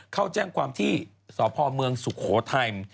เข้าแจ้งความที่สพเมืองสุโขทัย